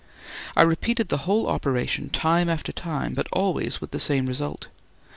I repeated the whole operation time after time, but always with the same result.